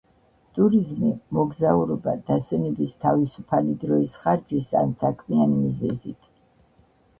ტურიზმი-მოგზაურობ დასვენების თავისუფალი დროის ხარჯვის ან საქმიანი მიზებით